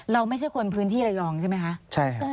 ไม่ใช่คนพื้นที่ระยองใช่ไหมคะ